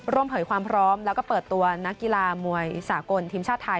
เผยความพร้อมแล้วก็เปิดตัวนักกีฬามวยสากลทีมชาติไทย